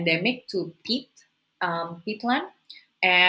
kemampuan hidup yang lain